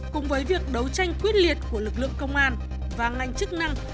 cùng với việc đấu tranh quyết liệt của lực lượng công an và ngành chức năng